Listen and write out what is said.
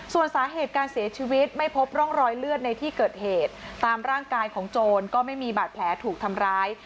ส่วนสาเหตุการเสียชีวิตไม่พบร่องรอยเลือดในที่เกิดเหตุตามร่างกายของโจรก็ไม่มีบาดแผลถูกทำร้าย